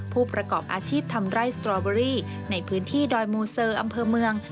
ผู้ประกอบอาชีพทำไร่สตรอเบอรี่ในพื้นที่ดอยมูเซอร์อำเภอเมือง